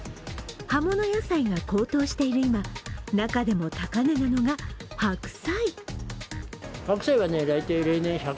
葉物野菜が高騰している今、中でも高値なのが白菜。